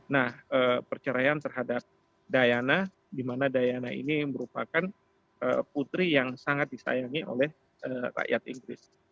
nah perceraian terhadap diana di mana diana ini merupakan putri yang sangat disayangi oleh rakyat inggris